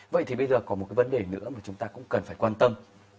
vậy thì bây giờ có một vấn đề nữa mà chúng ta cũng cần phải quan tâm